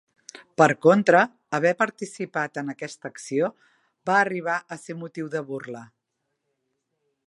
Per contra, haver participat en aquesta acció, va arribar a ser motiu de burla.